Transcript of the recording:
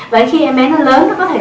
và khi em bé nó lớn nó có thể